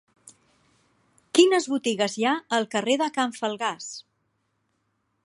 Quines botigues hi ha al carrer de Can Falgàs?